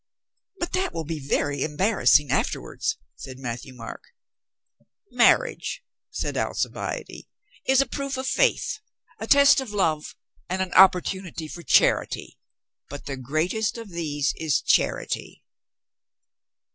"But that will be very embarrassing afterwards," said Matthieu Marc. "Marriage," said Alcibiade, "is a proof of faith, a test of love and an opportunity for charity. But the greatest of these is charity."